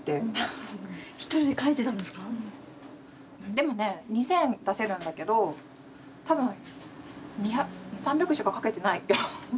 でもね２，０００出せるんだけど多分２００３００しか書けてないって。